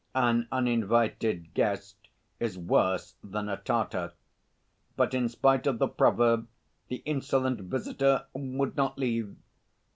An uninvited guest is worse than a Tartar. But in spite of the proverb the insolent visitor would not leave.